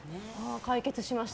解決しました。